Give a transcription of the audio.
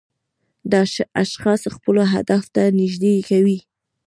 دا اشخاص خپلو اهدافو ته نږدې کوي.